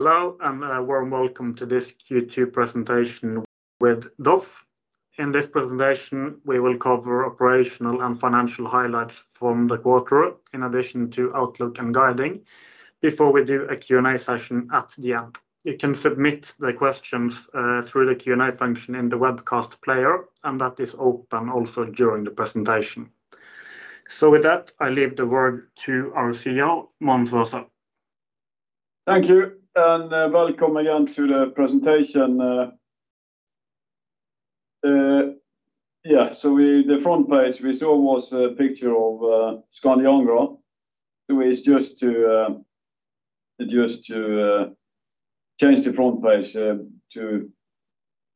Hello and a warm welcome to this Q2 presentation with DOF. In this presentation we will cover operational and financial highlights from the quarter in addition to outlook and guiding before we do a Q&A session. At the end you can submit the questions through the Q&A function in the webcast player and that is open also during the presentation. With that I leave the word to our CEO Mons Aase. Thank you and welcome again to the presentation. The front page we saw was a picture of Skandi Angra, who is just to change the front page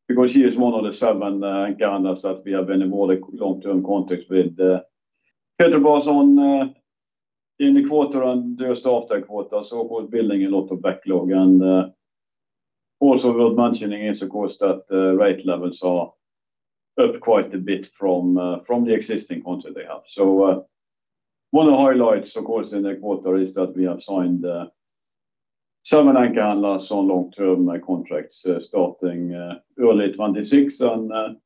because he is one of the seven Gamma that we have been in more long term contacts with Petrobras on in the quarter and just after quarter, so called building a lot of backlog. Also worth mentioning is of course that rate levels are up quite a bit from the existing contract they have. One of the highlights of course in the quarter is that we have signed seven anchor handler vessels on long term contracts starting early 2026 on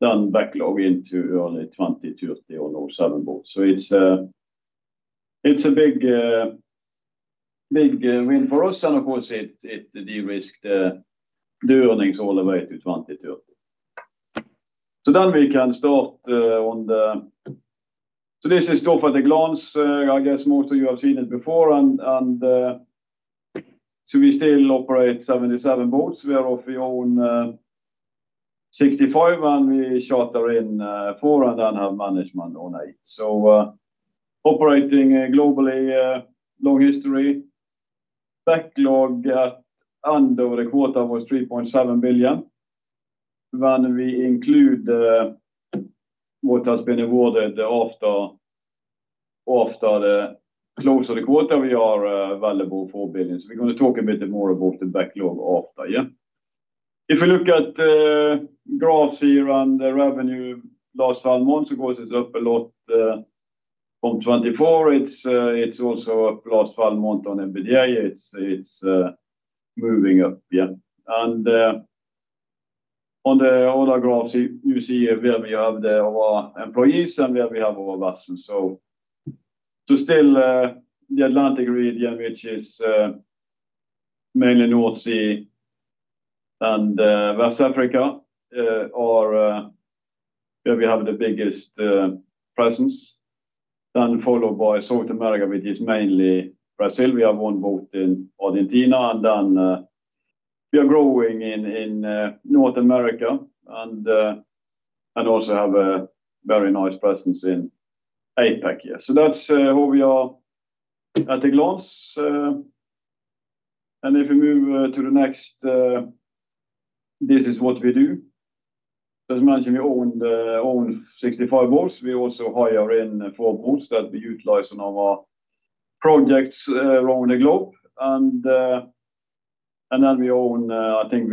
done backlog into only 2022 of the seven boats, so it's a big, big win for us and of course it de-risked the earnings all the way to 2022. We can start on the, this is DOF at a glance. I guess most of you have seen it before. We still operate 77 vessels. We own 65 and we charter in four and then have management on eight, so operating globally, long history. Backlog at the end of the quarter was $3.7 billion. When we include what has been awarded after the close of the quarter, we are valuable $4 billion. We're going to talk a bit more about the backlog after. If you look at the graphs here and the revenue last 12 months ago, it looked a lot from 2024. It's also a plus one month on EBITDA, it's moving up. On the other graph you see where we have our employees and where we have our vessels. Still the Atlantic region, which is mainly North Sea and West Africa, is where we have the biggest presence, then followed by South America, which is mainly Brazil. We have one boat in Argentina and we are growing in North America and also have a very nice presence in APAC. That's who we are at a glance. If we move to the next, this is what we do. As mentioned, we own 65 boats. We also hire in four boats that we utilize on our projects around the globe. We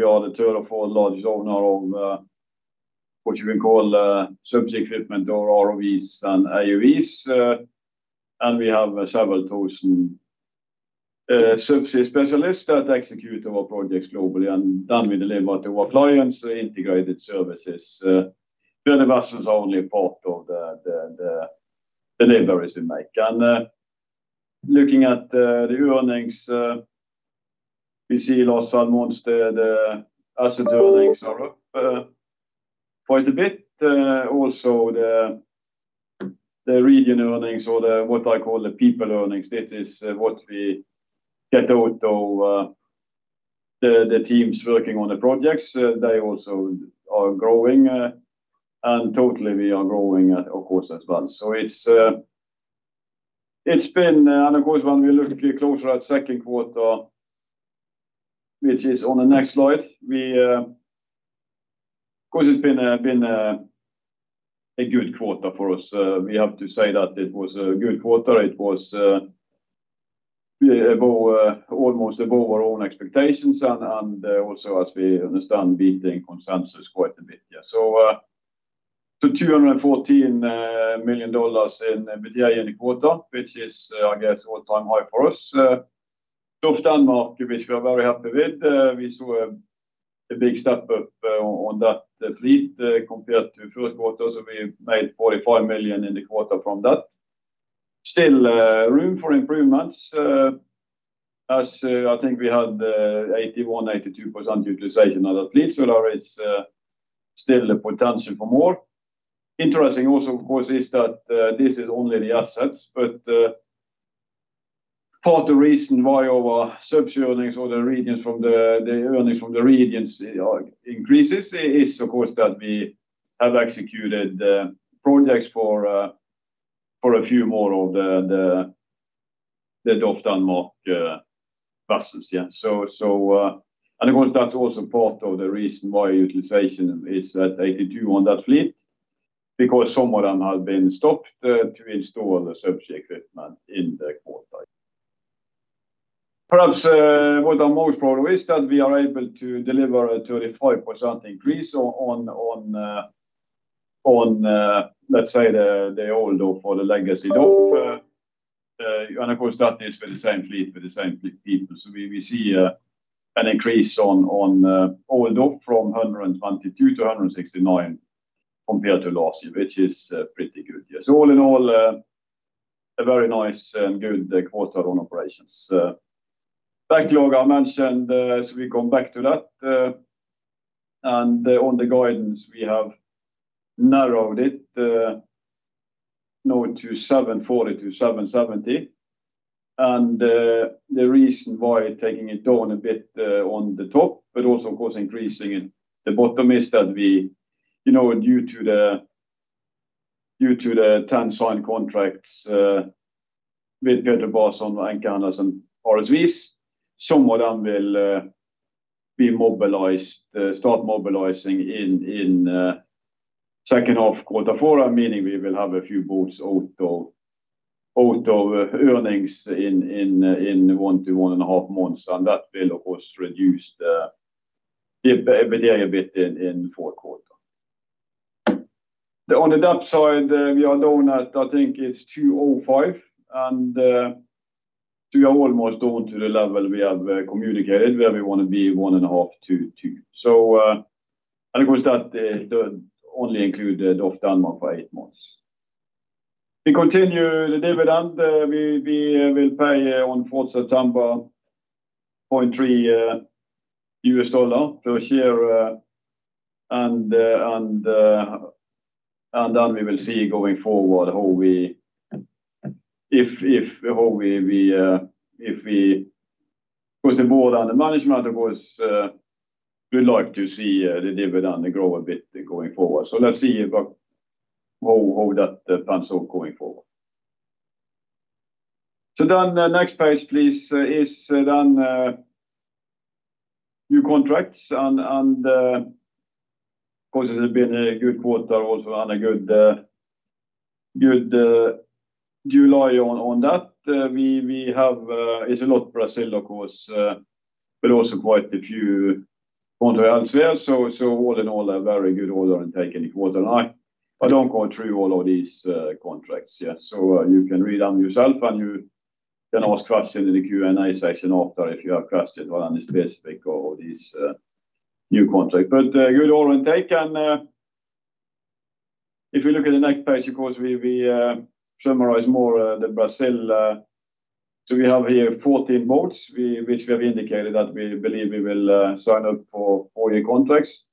are the third or fourth largest owner of what you can call subsea equipment or ROVs and AUVs. We have several thousand subsea specialists that execute our projects globally. We deliver to clients integrated services. Basins are only part of the deliveries in Mac. Looking at the earnings, we see last month the asset earnings are quite a bit. Also the regional earnings, or what I call the people earnings, this is what we get out of the teams working on the projects. They also are growing and totally we are growing at once. It's been a good one. We look closer at second quarter, which is on the next slide. Of course, it's been a good quarter for us. We have to say that it was a good quarter. It was almost above our own expectations and also, as we understand, building consensus quite a bit. So $214 million in the quarter, which is, I guess, all-time high for us. Tough market, which we are very happy with. We saw a big step up on that fleet compared to first quarters, and we made $45 million in the quarter from that. Still room for improvements, as I think we had 81%-82% utilization of that fleet, so there is still the potential for more. Interesting also, of course, is that this is only the assets, but part of the reason why our subsea earnings or the earnings from the regions increase is, of course, that we have executed the projects for a few more of the DOF Denmark vessels. Of course, that's also part of the reason why utilization is at 82% on that fleet, because some of them have been stopped to install the subsea equipment in the quarter. Perhaps what I'm most proud of is that we are able to deliver a 35% increase on, let's say, the old DOF or the legacy DOF. Of course, that is for the same fleet with the same fleet people. We see an increase on old DOF from $122 million-$169 million compared to last year, which is pretty good. All in all, a very nice and good quarter on operations. Back to what I mentioned, as we come back to that, and on the guidance, we have narrowed it now to $740 million-$770 million, and the reason why taking it down a bit on the top but also, of course, increasing the bottom is that, you know, due to the 10 signed contracts with good reports on anchor handlers and RSVs, some of them will be mobilized, start mobilizing in second half quarter four, meaning we will have a few vessels out of earnings in one to one and a half months. That will, of course, reduce a bit in fourth quarter. On the upside, we are doing that. I think it's $205 million and to be almost down to the level we have communicated where we want to be, one and a half to two, and of course, that only included DOF Denmark for eight months. We continue the dividend. We will pay on the 4th of September $0.30 per share, and then we will see going forward how we, if we, because the board and the management, of course, we like to see the dividend grow a bit going forward. Let's see if that. Next page, please, is the new contracts. Of course it has been a good quarter also and a good, good July on that we have. It's a lot Brazil of course but also quite a few elsewhere. All in all a very good order and taking it waterline. I don't go through all of these contracts. You can read them yourself and you can ask questions in the Q&A session after if you have question or this new contract. Good orange and if you look at the next page of course we summarize more the Brazil. We have here 14 boards which we have indicated that we believe we will sign up for four-year contracts.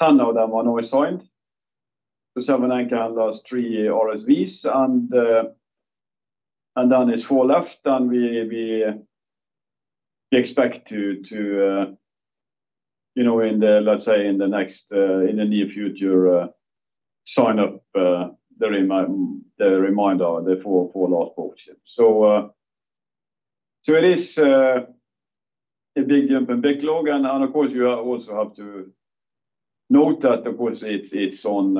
Now that one always signed the seven anchor last three RSVs and then it's four left and we expect to, you know, in the let's say in the next, in the near future sign up during my, the reminder therefore for last portion. It is a big jump in backlog. You also have to note that of course it's on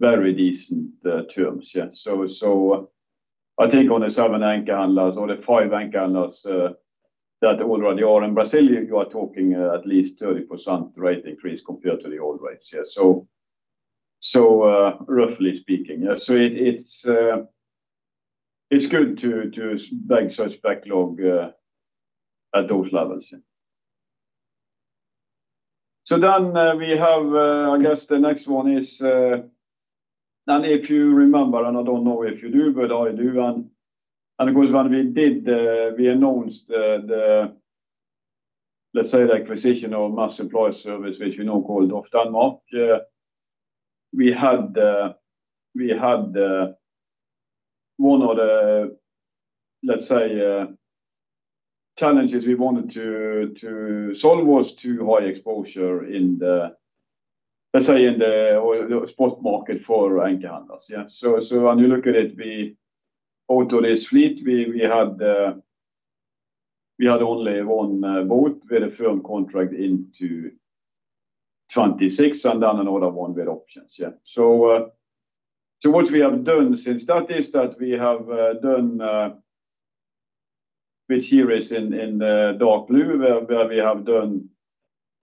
very decent terms. I think only seven anchor handlers, only five anchor handlers that already are in Brazil. You are talking at least 30% rate increase compared to the old rates. Roughly speaking, it's good to make such backlog at those levels. I guess the next one is then if you remember and I don't know if you do but I do. When we did, we announced the, let's say, the acquisition of Maersk Supply Service which we now call DOF Denmark. We had, we had one of the, let's say, challenges we wanted to solve was too high exposure in the, let's say, in the spot market for anchor handlers. When you look at it, we, our own fleet, we had only one boat with a firm contract into 2026 and then another one with options. What we have done since that is that we have done with series in the dark blue where we have done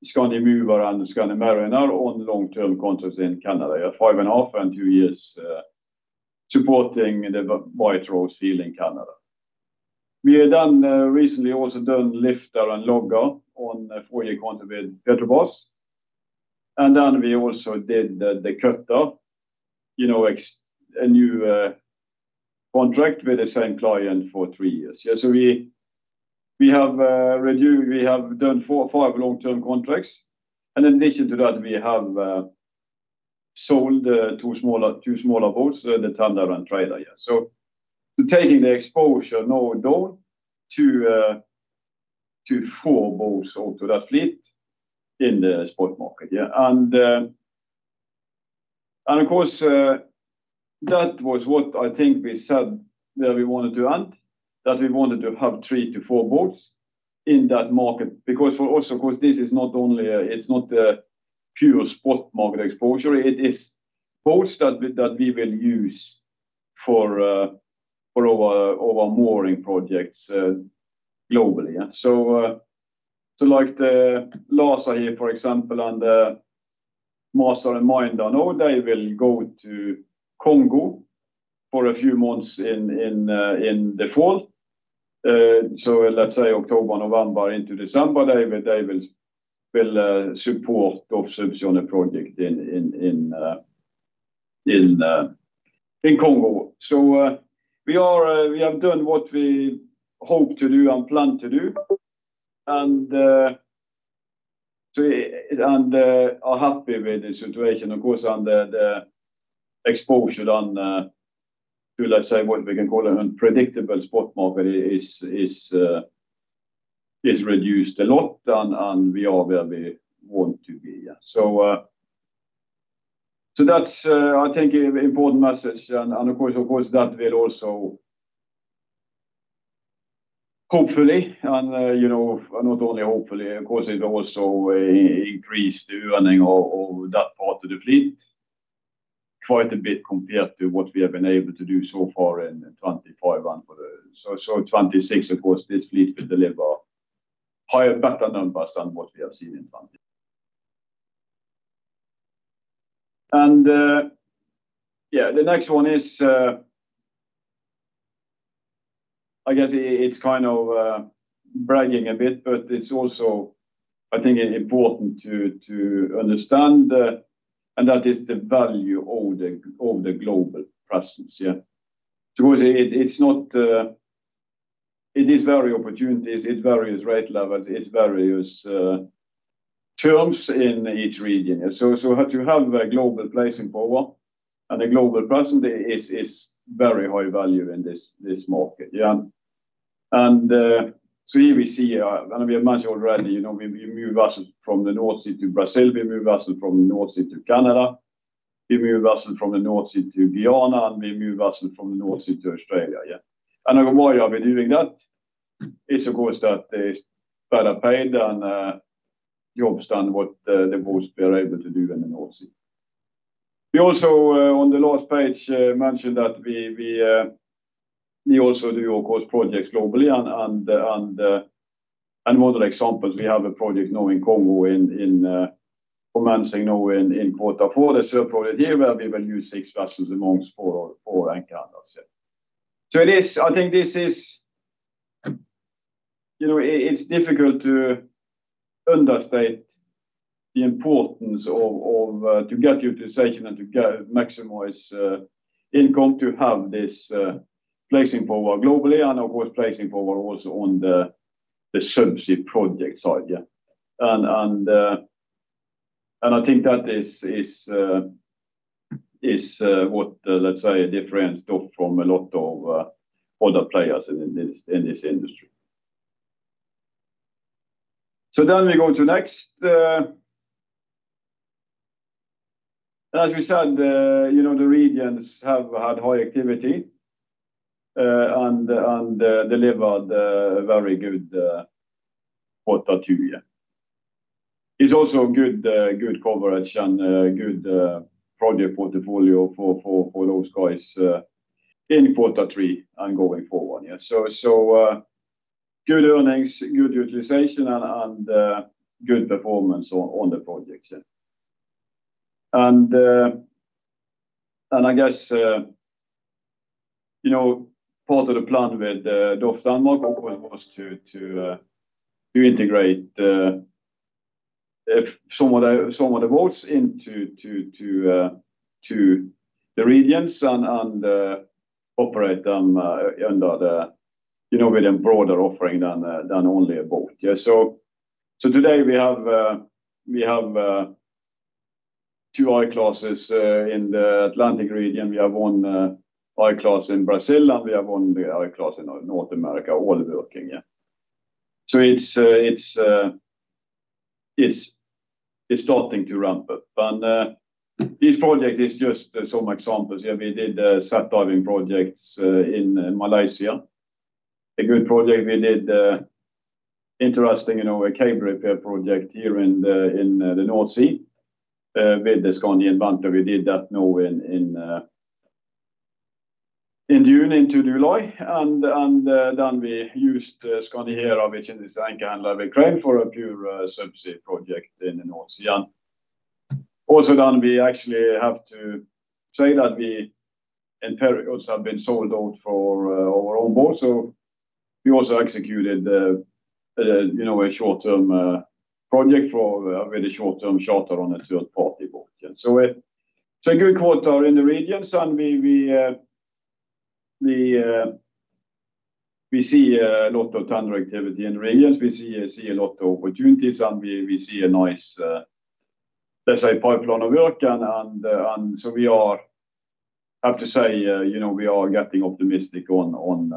Skandi Mover and Skandi Mariner on long-term contracts in Canada, five and a half and two years supporting the White Rose field in Canada. We had done recently also done Lifter and Logger on four-year contract with Petrobras and then we also did the cut, you know, ex a new contract with the same client for three years. We have reviewed, we have done four or five long-term contracts. In addition to that we have sold two smaller, two smaller boats, the Thunder and Trailer. Taking the exposure now down to four boats or to that fleet in the spot market. Of course, that was what I think we said where we wanted to end, that we wanted to have three to four boats in that market because also, of course, this is not only the pure spot market exposure. It is posted with that we will use for over mooring projects globally. For example, the Laser under Master and Minder, they will go to Congo for a few months in the fall. Let's say October, November into December, they will support Gov Subseana project in Congo. We have done what we hope to do and plan to do and are happy with the situation. Of course, the exposure onto what we can call an unpredictable spot market is reduced a lot and we are very want to be. Yeah, that's, I think, an important message. Of course, that will also hopefully, and you know, not only hopefully, of course, it also increases the earning of that part of the fleet quite a bit compared to what we have been able to do so far in 2025. For 2026, of course, this fleet will deliver higher background than what we have seen in funding. The next one is, I guess, it's kind of bragging a bit, but it's also, I think, important to understand, and that is the value of the global process. Because it's not, it is very opportunities. It varies rate levels. It's various terms in each region. How to have a global place in power at a global present is very high value in this market. We see and we imagine already we move us from the North Sea to Brazil. We move vessels from North Sea to Canada. We move vessels from the North Sea to Vienna and we move vessels from the North Sea to Australia. The more you are doing that, it's, of course, that is better paid than jobs than what the boost we are able to do in the North Sea. We also, on the last page, mentioned that we also do projects globally. One of the examples, we have a project now in Congo in quarter four as well, probably there, where we will use six vessels amongst. Oh, I can't. That's it. I think this is, you know, it's difficult to understate the importance of getting utilization and to get maximize income to have this placing power globally and, of course, placing power also on the services project side. I think that is what, let's say, different from a lot of other players in this industry. We go to next, as we said, you know, the regions have had high activity and delivered very good quarter two. It is also good. Good coverage and good project portfolio for all those guys in quarter three and going forward. Yeah, good earnings, good utilization and good performance on the projects. I guess you know part of the plan with DOF landmark was to integrate some of the vessels into the regions and operate them under the innovative broader offering than only vessels. Yeah. Today we have two I classes in the Atlantic region. We have one I class in Brazil and we have one I class in North America. All are working. Yeah. It's starting to ramp up and these projects are just so much samples. We did saftaring projects in Malaysia, a good project. We did interesting, you know, a cable repair project here in the North Sea with the Scandinavia. We did that now in June into July and then we used Skandi Hera, which is an anchor handler, for a pure subsea project in the North Sea, also done. We actually have to say that our interiors have been sold out for overall board. We also executed, you know, a short term project for very short term shelter on a third party board. Every quarter in the regions we see a lot of tender activity and radius, we see a lot of opportunities and we see a nice, let's say, pipeline of work. We have to say we are getting optimistic on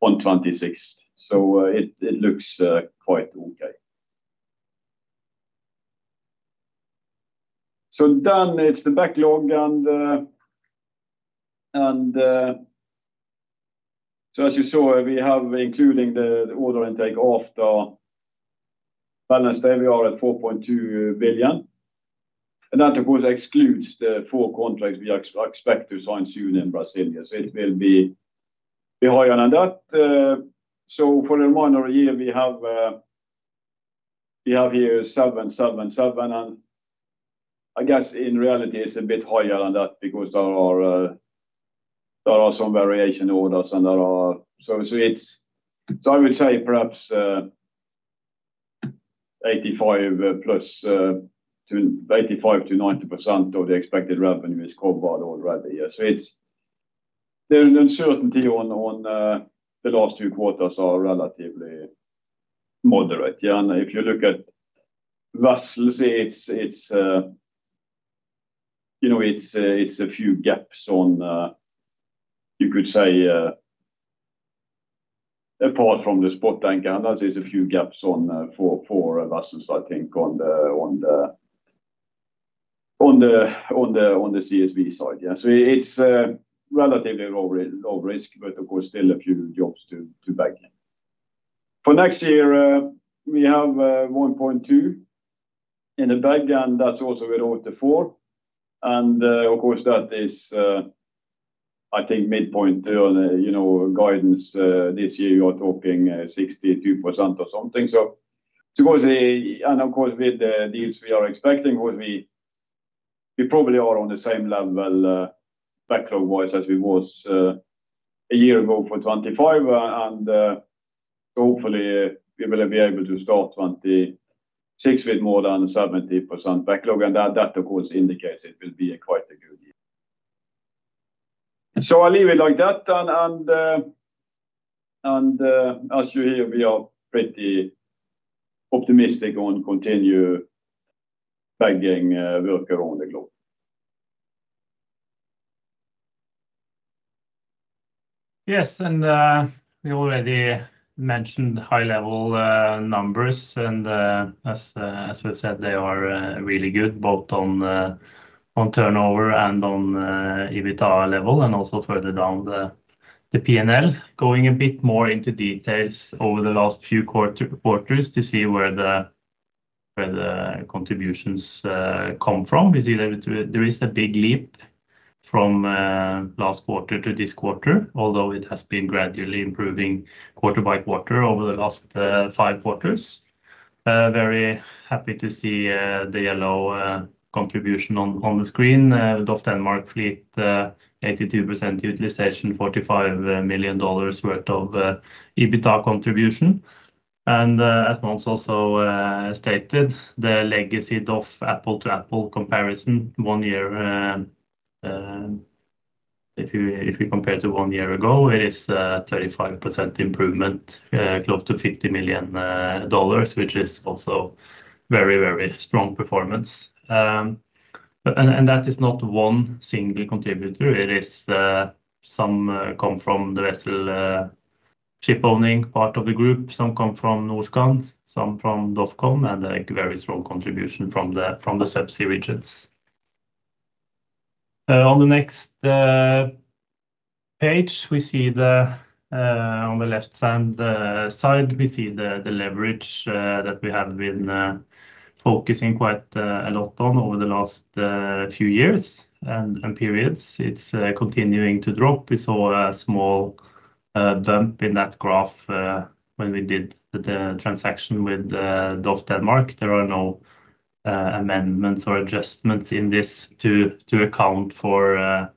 2026. It looks quite, quite okay. It's the backlog and as you saw, we have, including the order intake after balance, we are at $4.2 billion. That of course excludes the four contracts we expect to sign soon in Brazil. For the minor year we have seven and I guess in reality it's a bit higher than that because there are some variation orders and there are, so it's, I would say perhaps 85% plus, 85%-90% of the expected revenue is covered by the year. There is uncertainty on the last two quarters, relatively moderate. Yeah. If you look at, I would say, it's, you know, it's a few gaps on, you could say, apart from the spot market and as there's a few gaps for vessels, I think on the CSV side. Yeah. It's relatively low risk but of course still a few jobs to back for next year. We have $1.2 billion in the backlog, that's also with all the four, and of course that is, I think, midpoint on, you know, guidance this year. You are talking 62% or something. Of course, with the deals we are expecting, we probably are on the same level backlog-wise as we were a year ago for 2025, and hopefully we will be able to start 2026 with more than 70% backlog. That, of course, indicates it will be quite a good deal. I'll leave it like that. As you hear, we are pretty optimistic on continue pegging work around the globe. Yes. We already mentioned high level numbers and as we've said they are really good both on turnover and on EBITDA level and also further down the P&L. Going a bit more into details over the last few quarters to see where the contributions come from, there is a big leap from last quarter to this quarter although it has been gradually improving quarter by quarter over the last five quarters. Very happy to see the yellow contribution on the screen. The DOF and Maersk fleet, the 82% utilization, $45 million worth of EBITDA contribution and as Mons also stated, the legacy of Apple to Apple comparison one year, if you, if we compare to one year ago it is 35% improvement, close to $50 million which is also very, very strong performance. That is not one single contributor. Some come from the vessel ship owning part of the group, some come from Norskan, some from DOFCON and a very strong contribution from the subsea regions. On the next page we see on the left hand side we see the leverage that we have been focusing quite a lot on over the last few years and periods. It's continuing to drop. We saw a small bump in that graph when we did the transaction with DOF Denmark. There are no amendments or adjustments in this to account for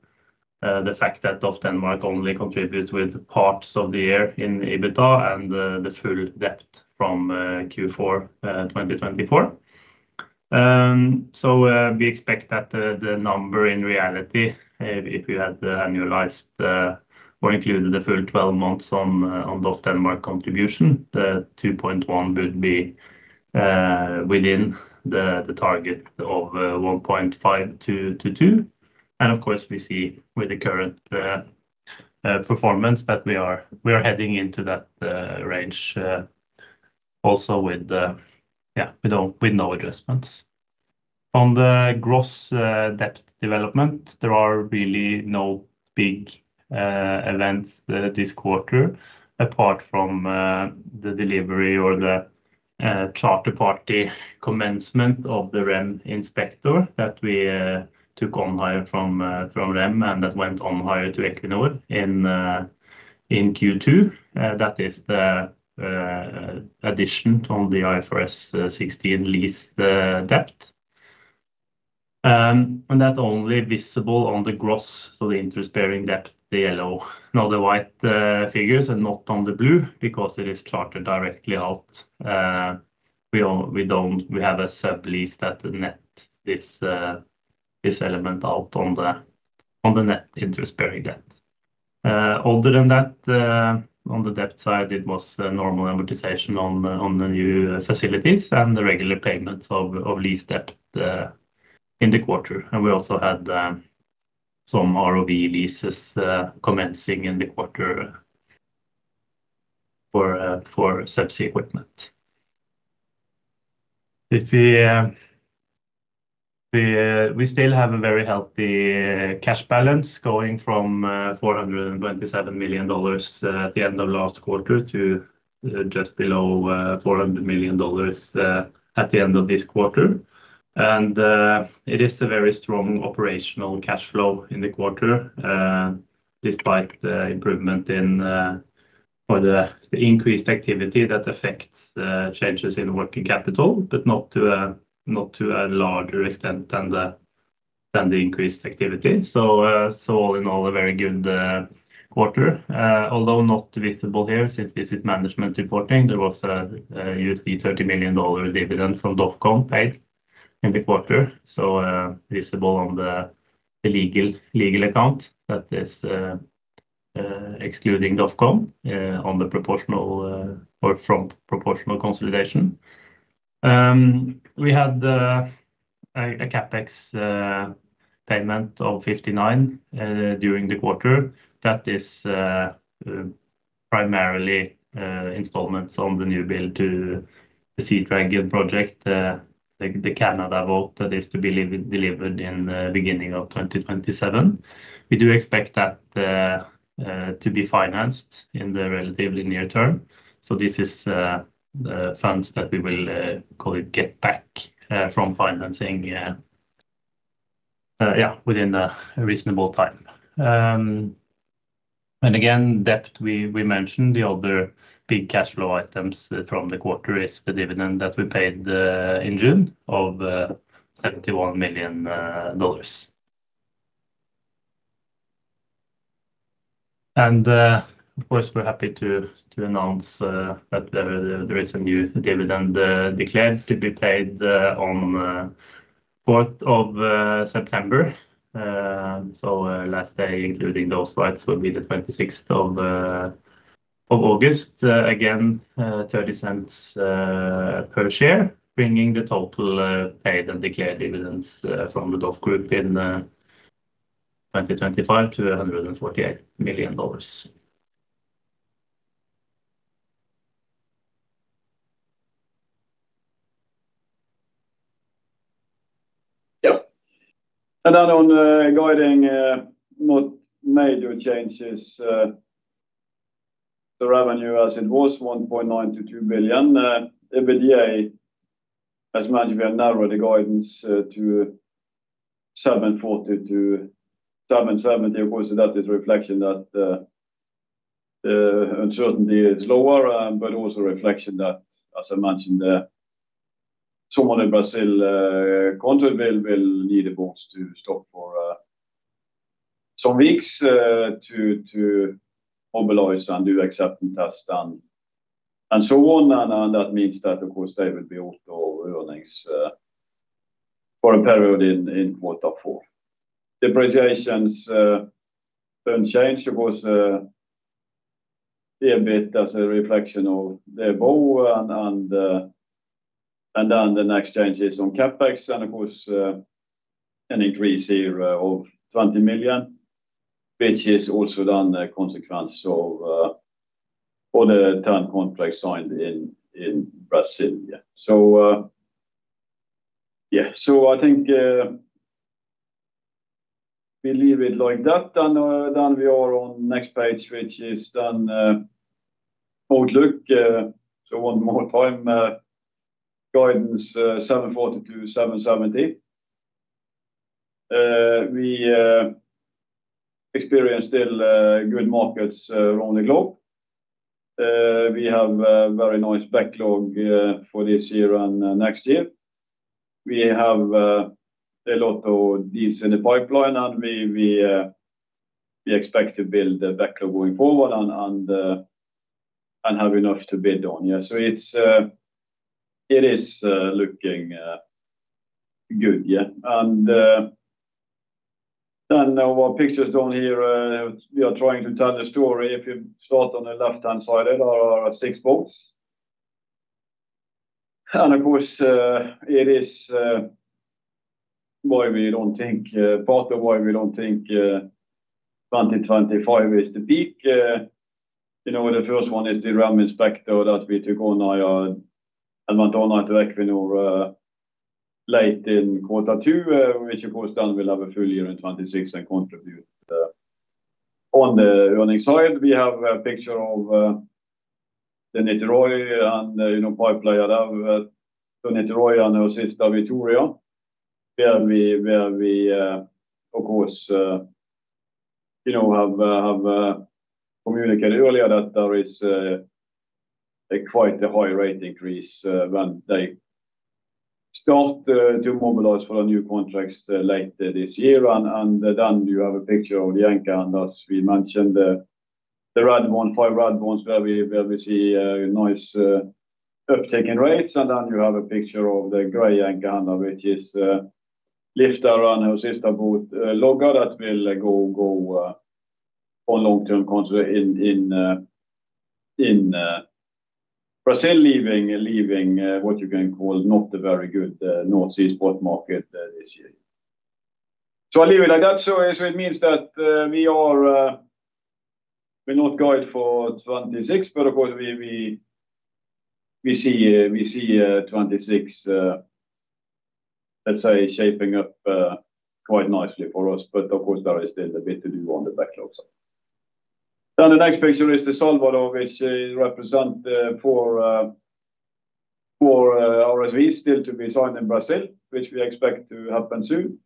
the fact that DOF Denmark only contribute with parts of the year in EBITDA and the full debt from Q4 2024. We expect that the number in reality, if you had annualized or included the full 12 months on the contribution, the 2.1 would be within the target of 1.5-2. With the current performance, we are heading into that range also with no adjustments on the gross debt development. There are really no big events this quarter apart from the delivery or the charter party commencement of the REM Inspector that we took on hire from REM and that went on hire to Equinor in Q2. That is the addition on the IFRS 16 lease debt and that's only visible on the gross. The interest bearing debt, the yellow now, the white figures are not on the blue because it is chartered directly out. We have a sublease that nets this element out on the net interest bearing debt. Other than that, on the debt side it was normal amortization on the new facilities and the regular payments of lease debt in the quarter. We also had some ROV leases commencing in the quarter for subsea equipment. We still have a very healthy cash balance going from $427 million at the end of last quarter to just below $400 million at the end of this quarter. It is a very strong operational cash flow in the quarter despite the improvement in the increased activity that affects changes in working capital but not to a larger extent than the increased activity. All in all, a very good quarter. Although not visible there since this is management reporting, there was a $30 million dividend from DOF Denmark paid in the quarter. Visible on the legal account, that is excluding DOF Denmark on the proportional or from proportional consolidation. We had a CapEx payment of $59 million during the quarter that is primarily installments on the newbuild to the Sea Dragon project, the Canada vessel that is to be delivered in the beginning of 2027. We do expect that to be financed in the relatively near term. This is the funds that we will get back from financing within a reasonable time. Debt, we mentioned the other big cash flow items from the quarter is the dividend that we paid in June of $71 million. We are happy to announce that there is a new dividend declared to be paid on 4th of September. The last day including those rights will be 26 August, again $0.30 per share, bringing the total paid and declared dividends from the DOF Group in 2025 to $148 million. Yeah. On guiding major changes, the revenue as it was $1.922 billion EBITDA as managed, we are narrowing the guidance to $740-$770 million. Of course, that's a reflection that the uncertainty is lower, but also a reflection that, as I mentioned, someone at Brazil Control will need a box to stop for some weeks to mobilize and do acceptance. That's done and so on. That means that, of course, they would be off the earnings for a while. Depreciations don't change, which is a bit as a reflection of the bull. The next change is on CapEx, and of course, an increase here of $20 million also done as a consequence of a contract signed in Brazil. I think we leave it like that. We are on the next page, which is the outlook. One more time, guidance $740-$770 million. We experience still good markets around the globe. We have a very nice backlog for this year and next year. We have a lot of these in the pipeline, and we expect to build the backlog going forward and have enough to bid on. It is looking good. No more pictures on here. We are trying to tell the story. If you start on the left-hand side, there are six balls, and of course, it is why we don't think part of what we don't think 2025 is the peak. The first one is the REM inspector that we took on, I don't know, to Equinor late in quarter two, which, of course, will have a full year in 2026 and contribute. On the running side, we have a picture of the Niterói pipeline, where we, of course, have communicated earlier that there is quite a high rate decrease when they start to mobilize for new contracts later this year. Then you have a picture of the Angra, and as we mentioned, the red one, five red ones, where we will be able to see a nice uptick in rates. Then you have a picture of the gray and Gamma, which is lift around logo that will go on long-term conservation in present, leaving what you can call not the very good North Sea spot market this year. I'll leave it like that. It means that we are not going for 2026, but of course, we see 2026 shaping up quite nicely for us. There is still a bit to do on the backlog side. The next picture is the Salvador, which represents four RSV still to be signed in Brazil, which we expect to happen soon.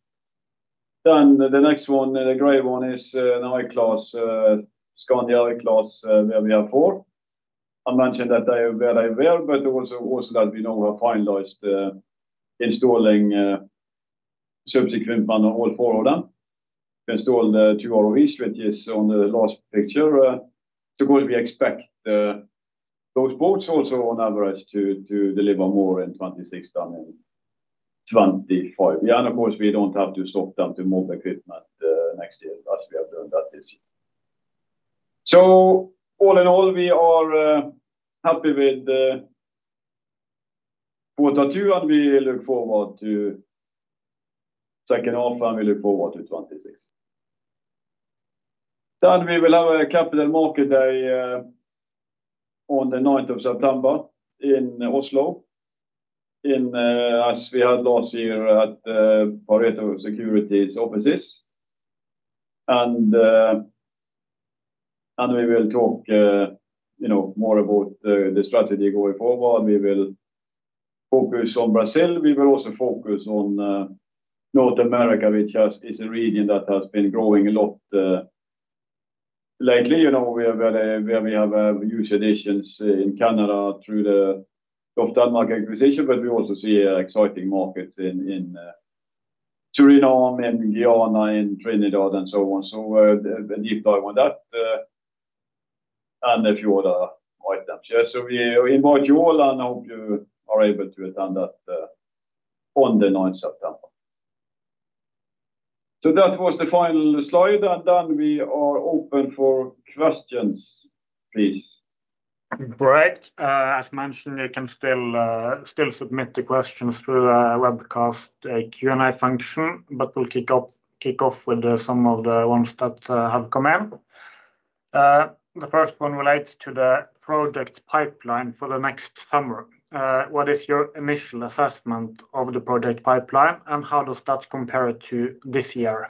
The next one, the gray one, is an I class, Skandia I class. I mentioned that they are very well, but also that we now have finalized installing subsequent panel. All four of them installed, two or three switches on the last picture because we expect those boats also on average to deliver more in 2026, 2025. Of course, we don't have to stop them to move the equipment next year as we have done that this year. All in all, we are happy with quarter two and we look forward to the second half, and we look forward to 2026. We will have a Capital Markets Day on the 9th of September in Oslo, as we had last year at Pareto Securities offices. We will talk more about the strategy going forward. We will focus on Brazil. We will also focus on North America, which is a region that has been growing a lot lately. We have new traditions in Canada through the spot market acquisition. We also see exciting markets in the region, in Guyana, in Trinidad, and so on. We will dive on that and a few other items. We invite you all and hope you are able to attend that on the 9th of September. That was the final slide and we are open for questions, please. Great. As mentioned, you can still submit the questions through the webcast Q&A function, but we'll kick off with some of the ones that have come in. The first one relates to the project pipeline for the next summer. What is your initial assessment of the project pipeline and how does that compare to this year?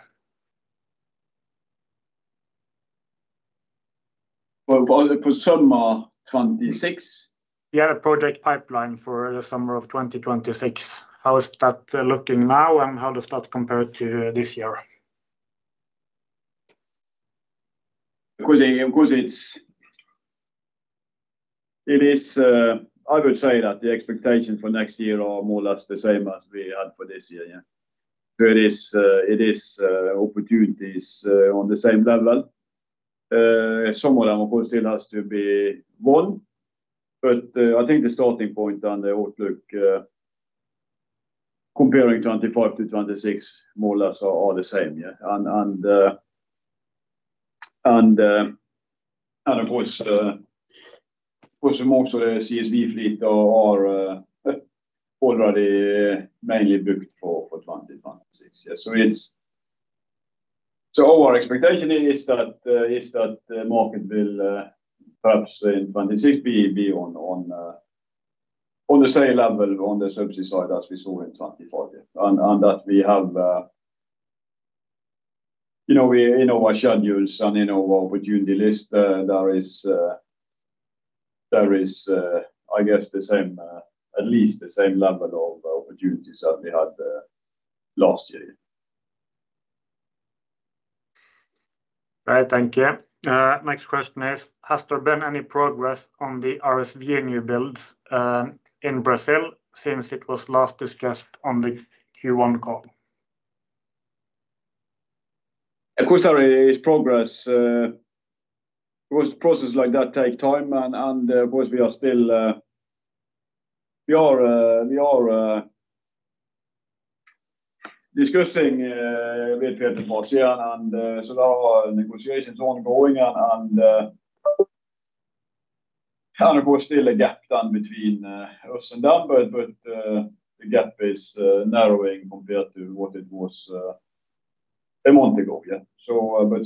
For summer 2026? We have a project pipeline for the summer of 2026. How is that looking now, and how does that compare to this year? I would say that the expectation for next year are more or less the same as we had for this year. It is opportunities on the same level. Some of them of course still has to be won. I think the starting point on the outlook comparing 2025 to 2026 more or less are the same. Yeah. Of course, CSV Flip though are already mainly looking for advantage. Our expectation is that the market will perhaps in 2026 be on the same level on the subsea side as we saw in 2024 and that we have, you know, we in our schedules and in our opportunity list. There is I guess the same, at least the same level of opportunities that we had last year. Right. Thank you. Next question is has there been any progress on the RSV and newbuild in Brazil since it was last discussed on the Q1 call? Of course, progress processes like that take time, and of course, we are still discussing, and negotiations are ongoing. There is still a gap between us and Dan, but the gap is narrowing compared to what it was a month ago. Still,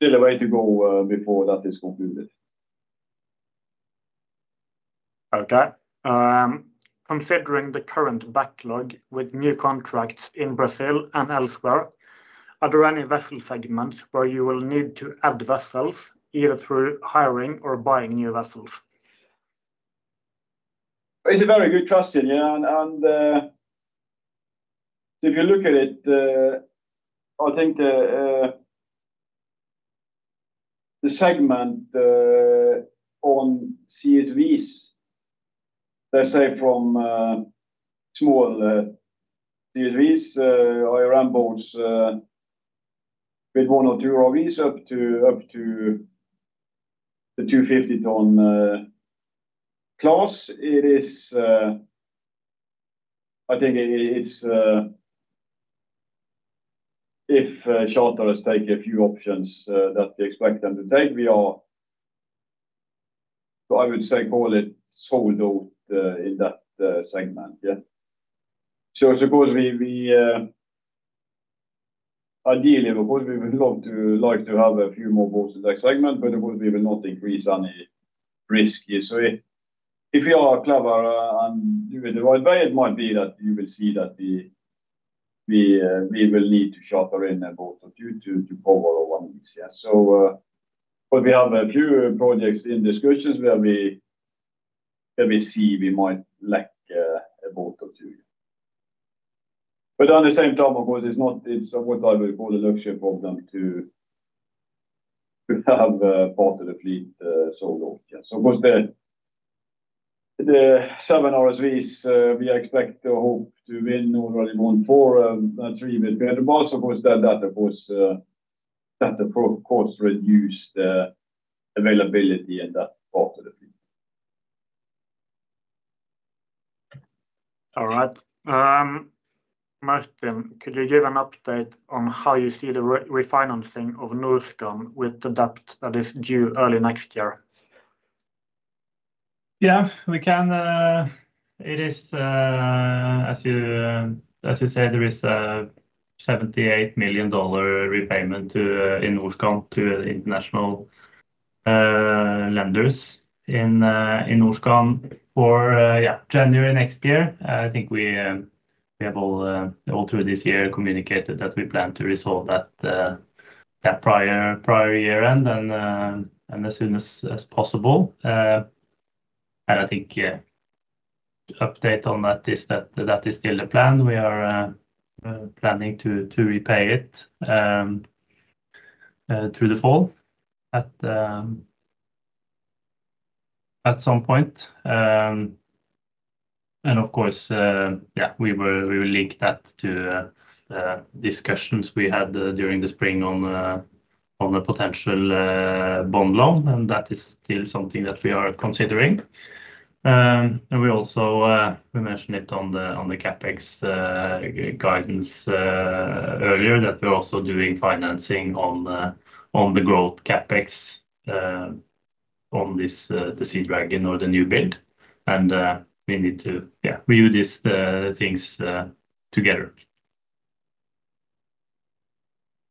there is a way to go before that is concluded. Okay. Considering the current backlog with new contracts in Brazil and elsewhere, are there any vessel segments where you will need to add vessels either through hiring or buying new vessels? It's a very good question. If you look at it, I think the segment on CSVs, they say from small CSVs, iron boats with one or two ROVs up to the 250 ton class. If charter has taken a few options that we expect them to take, I would say call it sold out in that segment. Suppose we ideally would love to have a few more boats in that segment, but we will not increase any risk. If we are clever, it might be that you will see that we will need to sharpen in both of you to power one. We have a few projects in discussions where we might lack a boat or two, but on the same topic, it's what I would call the luxury problem to have part of the fleet sold out. With the 7 RSV, we expect to hope to win already 143 with the boats, of course, that of course reduced availability in that part of the field. All right, Martin, could you give an update on how you see the refinancing of Norskan with the debt that is due early next year? Yeah, we can. It is as you said, there is $78 million repayment to international lenders in Norskan for January next year. I think we have all through this year communicated that we plan to resolve that prior year end as soon as possible. I think the update on that is that is still the plan. We are planning to repay it through the fall at some point. And of course, we will link that to discussions we had during the spring on a potential bond loan. That is still something that we are considering, and we also mentioned it on the CapEx guidance earlier that we're also doing financing on the growth CapEx on this, the Sea Dragon or the newbuild. We need to review these things together.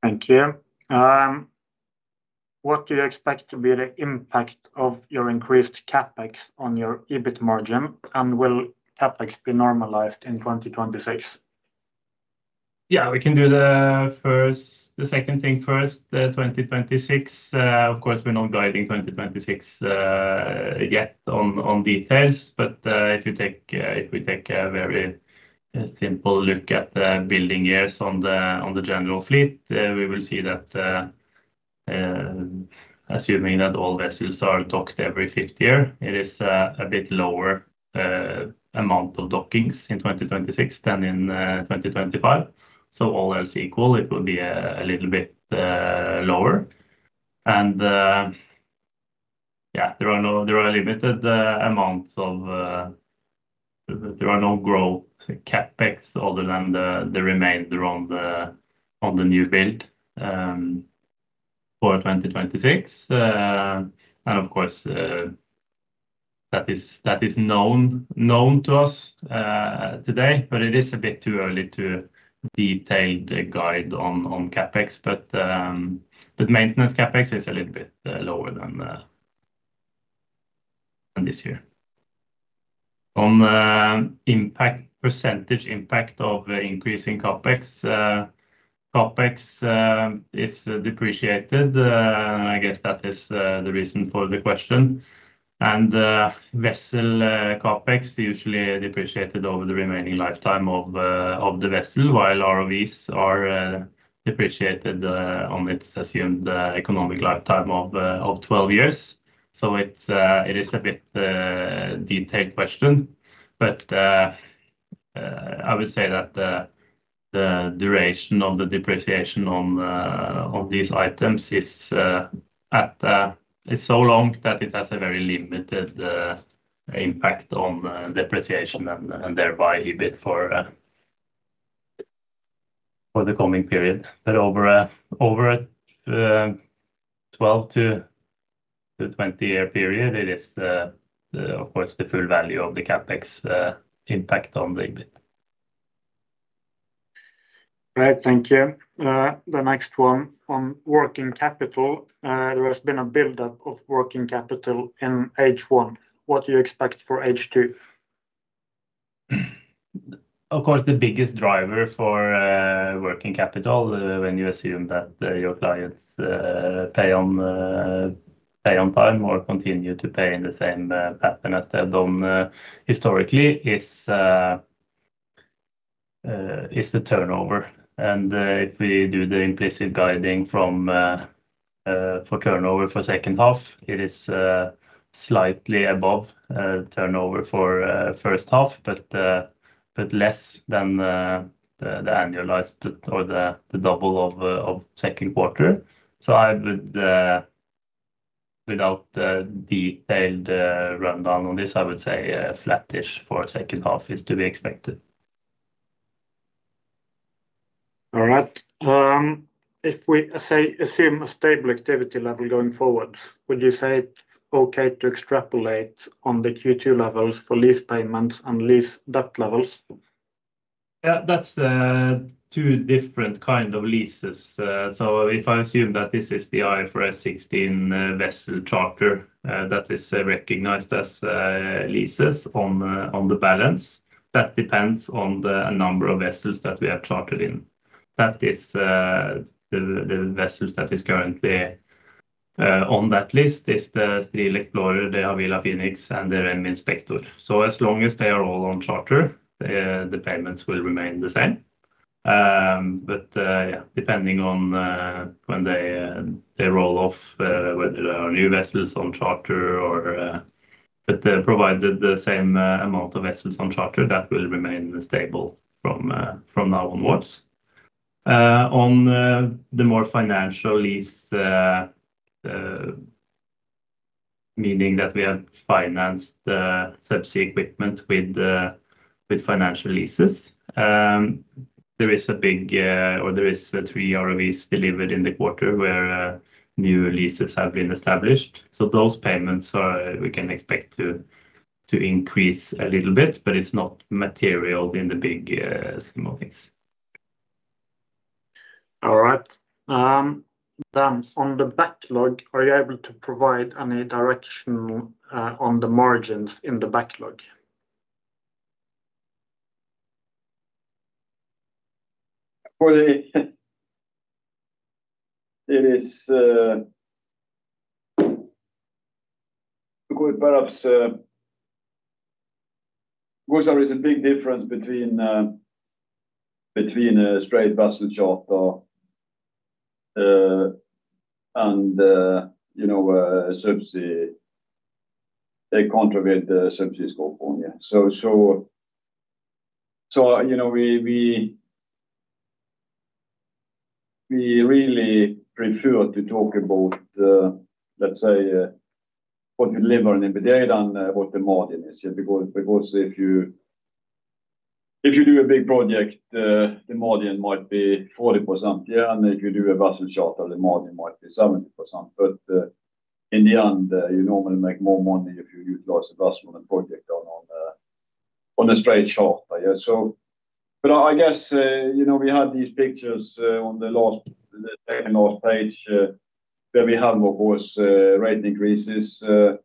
Thank you. What do you expect to be the impact of your increased CapEx on your EBIT margin, and will CapEx be normalized in 2026? Yeah, we can do the first. The second thing first, 2026. Of course we're not guiding 2026 yet on details, but if we take a very simple look at the building years on the general fleet, we will see that assuming that all vessels are docked every fifth year, it is a bit lower amount of dockings in 2026 than in 2025. All else equal, it would be a little bit lower. There are limited amounts of. There are no growth CapEx other than the remainder on the new build for 2026. Of course that is known to us today. It is a bit too early to detailed guide on CapEx. The maintenance CapEx is a little bit lower than this year on impact % impact of increasing CapEx, CapEx. It's depreciated. I guess that is the reason for the question. Vessel CapEx usually depreciated over the remaining lifetime of the vessel while ROVs are depreciated on its assumed economic lifetime of 12 years. It is a bit the intake question, but I would say that the duration of the depreciation on these items is so long that it has a very limited impact on depreciation and thereby EBIT for the coming period. Over a 12-20 year period it is of course the full value of the CapEx impact on LinkedIn. Great, thank you. The next one on working capital. There has been a buildup of working capital in H1. What do you expect for H2? Of course, the biggest driver for working capital when you assume that your clients pay on time or continue to pay in the same path as they've done historically, is the turnover. If we do the implicit guiding for turnover for second half, it is slightly above turnover for first half but less than the annualized or the double of second quarter. Without detailed rundown on this, I would say a flattish for second half is to be expected. All right. If we assume a stable activity level going forwards, would you say it's okay to extrapolate on the Q2 levels for lease payments and lease debt levels? That's two different kind of leases. If I assume that this is the IFRS 16 vessel charter that is recognized as leases on the balance, that depends on the number of vessels that we have chartered in. The vessels that are currently on that list are the Stril Explorer, the Havila Phoenix, and the REM Inspector. As long as they are all on charter, the payments will remain the same. Depending on when they roll off, with new vessels on charter or that provide the same amount of vessels on charter, that will remain stable from now onwards. On the more financial lease, meaning that we have financed subsea equipment with financial leases, there is three ROVs delivered in the quarter where new leases have been established. Those payments are expected to increase a little bit, but it's not material in the big movies. All right, on the backlog, are you able to provide any direction on the margins in the backlog? It is because perhaps there is a big difference between a straight vessel job and, you know, subsea. They contradict the services. You know, we really prefer to talk about the, let's say, what you deliver in the data and what the margin is because if you do a big project the margin might be 40% here and if you do investment shelter the margin might be 70%, but in the end you normally make more money if you utilize the grass movement project done on a straight job. I guess you know we had these pictures on the last page that we have, of course, rate increases. Let's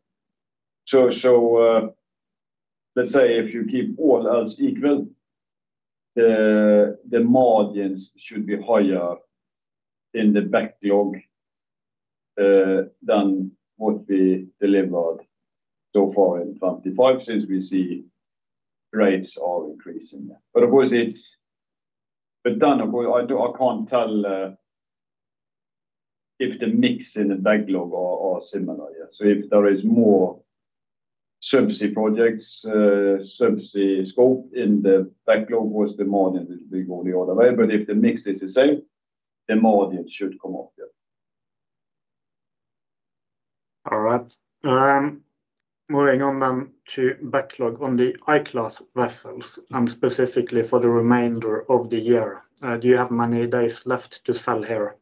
say if you keep all else equal, the margins should be higher in the backlog than what we delivered so far in 2025 since we see rates are increasing. Of course, it's dynamic. I can't tell if the mix and the backlog are similar. If there is more subsea projects, subsea scope in the backlog, then we go the other way. If the mix is the same, the margin should come off the. All right, moving on to backlog on the I class vessels and specifically for the remainder of the year. Do you have many days left to sell here?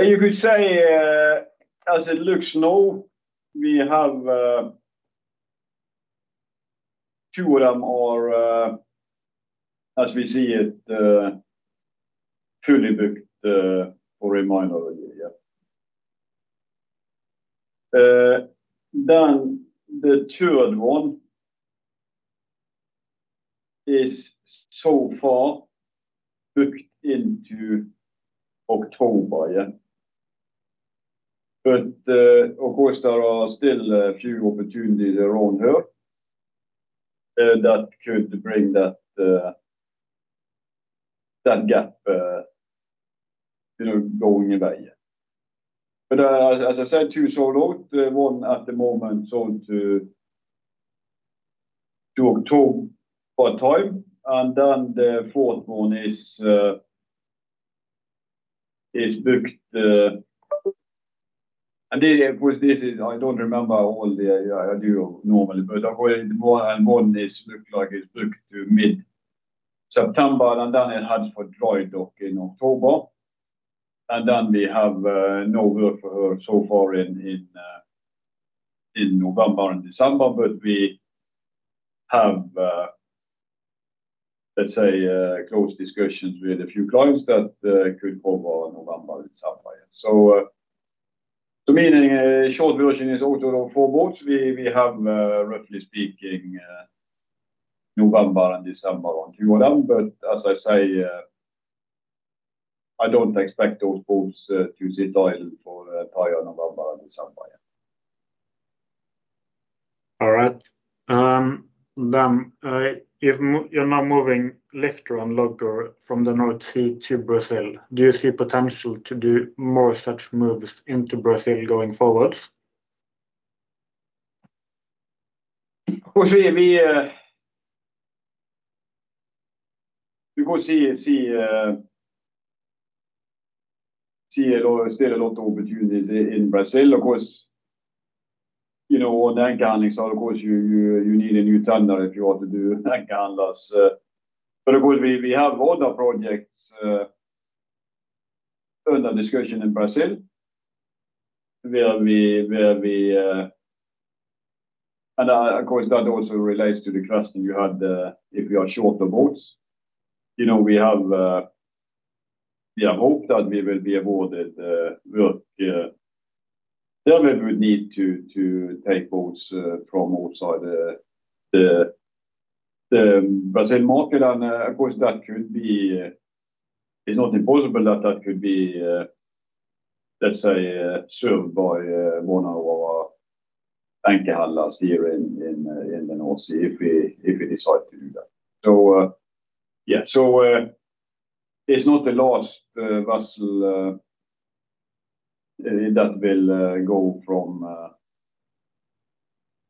You could say as it looks, no, we have two of them or as we see it fully booked or a minor. The third one is so far booked into October. Of course, there are still a few opportunities around here that could bring that gap going away. As I said, two solo, the one at the moment on to October part time, and then the fourth one is booked and of course this is. I don't remember all the, I do normally, but one, this looks like it's booked to mid September and then it had for dry dock in October and then we have no work for her so far in November and December, but we have, let's say, close discussions with a few clients that see for November itself. The meaning, short version is auto for box. We have roughly speaking November and December on queue, but as I say, I don't expect those boats to see title for T. All right. You're now moving Lifter and Logger from the North Sea to Brazil. Do you see potential to do more such moves into Brazil going forwards? Because still a lot of opportunities in Brazil, of course, you know, or dynamics, or of course you. You need a new Thunder if you want to do that canvas. Of course, we have all the projects under discussion in person where we will be, and of course that also relates to the question you had if you are shorter votes. You know, we have, yeah, hope that we will be awarded, but yeah, Durban would need to take votes from outside the Brazil market, and of course that could be, it's not impossible that that could be, let's say, served by one of our bank card last year in the North Sea if we decide to do that. It's not the last vessel that will go from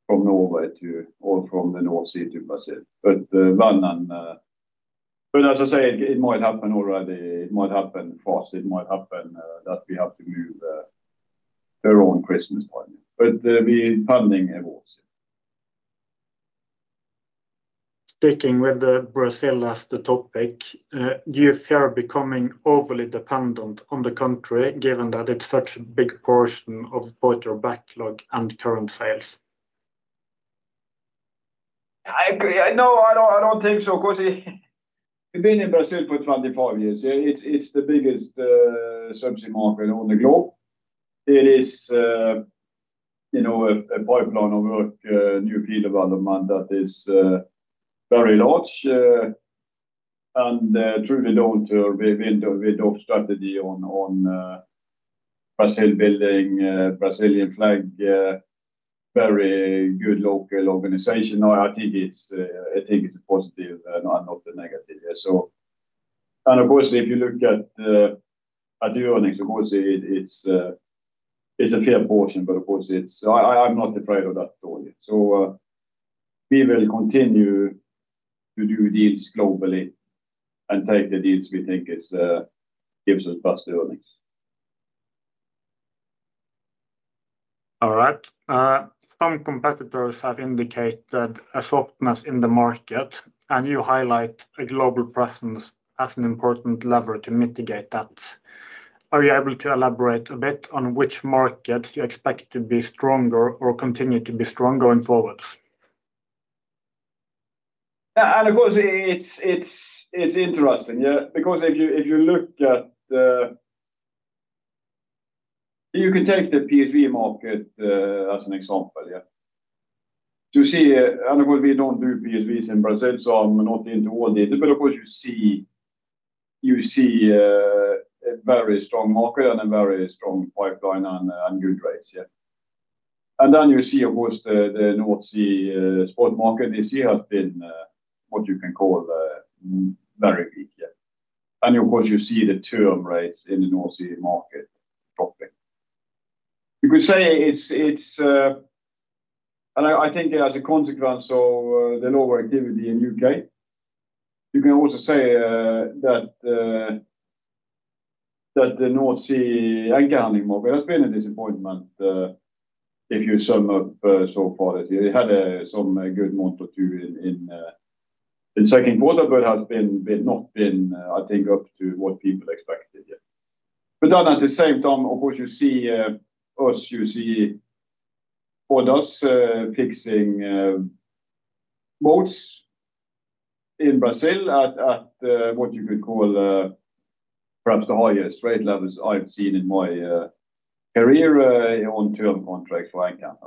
Norway to or from the North Sea to Brazil. As I say, it might happen already, it might happen fast. It might happen that we have to move her on Christmas point. The funding. Sticking with Brazil as the topic, do you fear becoming overly dependent on the country given that it's such a big portion of backlog and current sales? I agree. No, I don't think so because being in Brazil for 25 years, it's the biggest subsea market on the globe. You know, a pipeline of new field development that is very large and truly, we don't start the Brazil building, Brazilian flag, very good local organization. I think it's a positive, not a negative. Of course, if you look at the earnings, it's a clear portion, but I'm not afraid of that at all. We will continue to do deals globally and take the deeds we think gives us back to earnings. All right. Some competitors have indicated a softness in the market, and you highlight a global presence as an important lever to mitigate that. Are you able to elaborate a bit on which markets you expect to be stronger or continue to be strong going forwards? Of course it's interesting because if you look at, you could take the PSV market as an example to see, and of course we don't do PSVs in Brazil. I'm not into all data, but you see a very strong market and a very strong pipeline and new trades. You see, of course, the North Sea spot market this year has been what you can call very weak. You see the term rates in the North Sea market dropping. You could say it's, it's. I think as a consequence of the lower activity in U.K., you can also say that the North Sea and Ghani has been a disappointment. If you sum up so far, as they had some a good month or two in second quarter but had not been, I think, up to what people expected. At the same time, you see us, you see for those fixing modes in Brazil at what you could call perhaps the highest rate levels I've seen in my career on 12 contracts right now.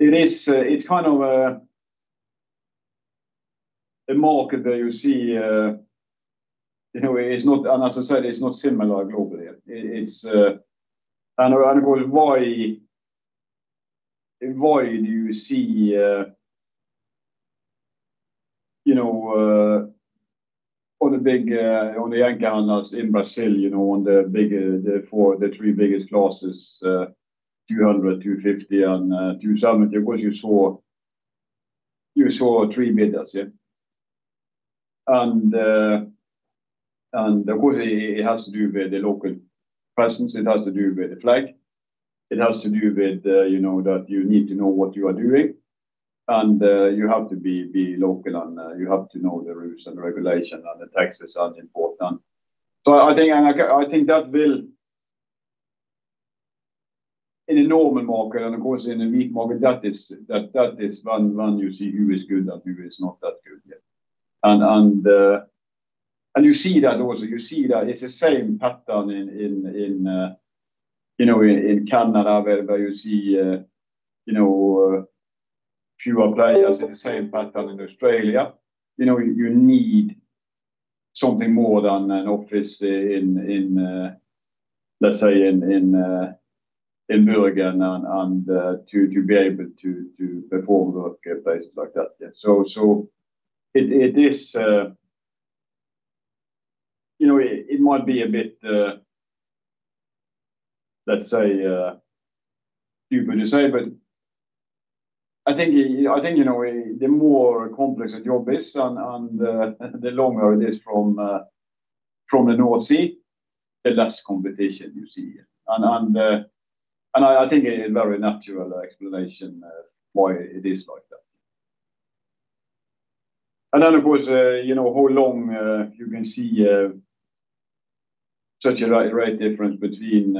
It's kind of a market that you see anyway. It's not, as I said, it's not similar globally. Why do you see, you know, on a big, on the Yankee analyst in Brazil, you know, on the bigger, the four, the three biggest losses, 200, 250 and 270, you saw three bidders. The rule, it has to do with the local presence, it has to do with the flag, it has to do with, you know, that you need to know what you are doing and you have to be local and you have to know the rules and regulations and the taxes are important. I think that will, in a normal market and in a mid-market, that is one you see who is good, that view is not that good. You see that also. You see that it's the same pattern in, you know, in Canada where you see, you know, fewer players and the same pattern in Australia. You need something more than an office in, let's say, in Mulgar and you'll be able to perform, not get placed like that. It is, you know, it might be a bit, let's say, you've been to say, but I think, I think, you know, the more complex a job is, the longer it is from the North Sea, the less competition you see. I think a very natural explanation why it is like that. Of course, you know how long you can see such a rate difference between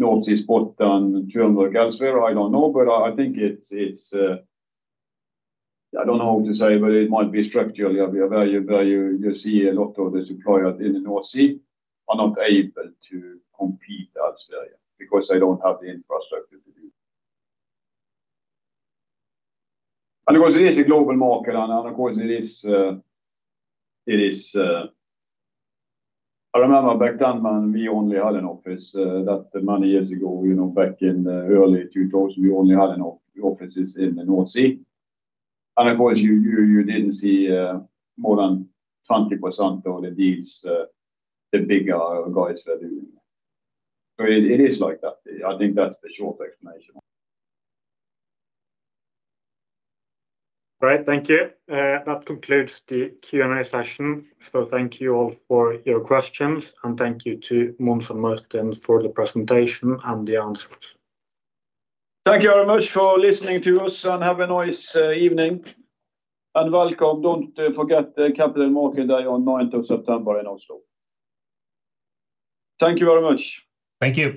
North East Port and Thornburg Elswehr? I don't know, but I think it's, it's, I don't know how to say, but it might be structurally available. You see a lot of the supply up in the North Sea are not able to compete in Australia because they don't have the infrastructure, and of course it is a global market and according to this it is. I remember back then we only had an office that many years ago, you know, back in early 2000 we only had enough offices in the North Sea and of course you didn't see more than 20% on these, the big guys. It is like that. I think that's the short explanation. Right, thank you. That concludes the Q&A session, so thank you all for your questions, and thank you to Mons and Martin for the presentation and the answers. Thank you very much for listening to us, and have a nice evening. Welcome, don't forget the Capital Markets Day on 9th of September in Oslo. Thank you very much. Thank you.